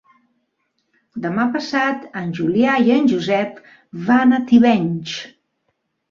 Demà passat en Julià i en Josep van a Tivenys.